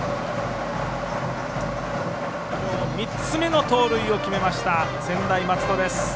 ３つ目の盗塁を決めました専大松戸です。